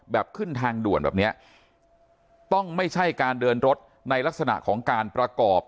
ขึ้นทางด่วนแบบเนี้ยต้องไม่ใช่การเดินรถในลักษณะของการประกอบ